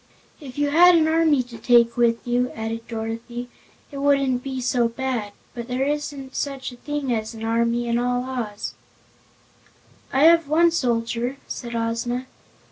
"If you had an army to take with you," added Dorothy, "it wouldn't be so bad; but there isn't such a thing as an army in all Oz." "I have one soldier," said Ozma.